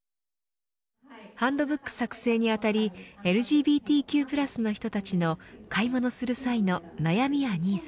ハンドブック作成にあたりＬＧＢＴＱ＋の人たちの買い物する際の悩みやニーズ